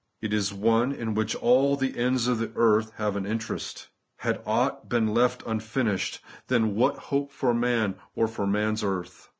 It is one in which aU the ends of the earth have an interest Had ought been left unfinished, then what hope for man or for man's earth